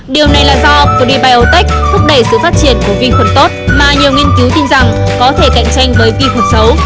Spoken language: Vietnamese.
điều này là do pudy biotech thúc đẩy sự phát triển của vi khuẩn tốt mà nhiều nghiên cứu tin rằng có thể cạnh tranh với vi khuẩn xấu